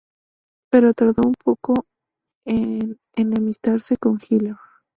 Pero tardó poco en enemistarse con Hiller.